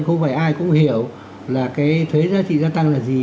không phải ai cũng hiểu là cái thuế giá trị gia tăng là gì